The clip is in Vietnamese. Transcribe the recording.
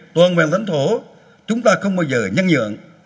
toàn bàn thánh thổ chúng ta không bao giờ nhăn nhượng